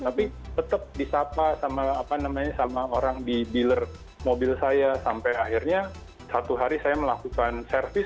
tapi tetap disapa sama apa namanya sama orang di dealer mobil saya sampai akhirnya satu hari saya melakukan servis